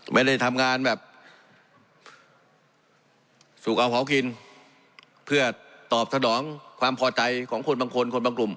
ไม่ได้ทำงานแบบสูบเอาเผากินเพื่อตอบสนองความพอใจของคนบางคนคนบางกลุ่ม